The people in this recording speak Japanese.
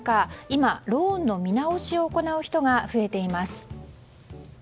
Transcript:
今ローンの見直しをする人が増えています。